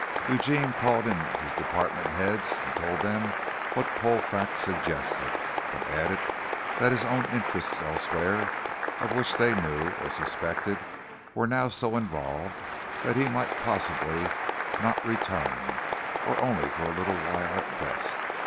Eugene called in his department heads, and told them what Colfax suggested, but added that his own interests elsewhere, of which they knew, or suspected, were now so involved that he might possibly not return, or only for a little while at best.